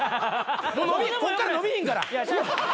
こっから伸びひんから。